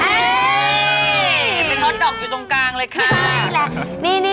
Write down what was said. มีฮอตดอกอยู่ตรงกลางเลยค่ะ